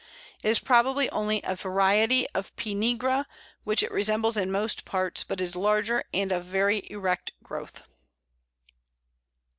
It is probably only a variety of P. nigra, which it resembles in most points, but is larger, and of very erect growth.